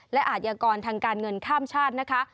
และอาจยากรทางการเงินข้ามชาตินะคะ